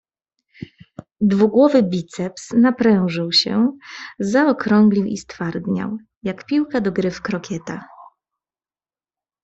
"Dwugłowy biceps naprężył się zaokrąglił i stwardniał, jak piłka do gry w krokieta."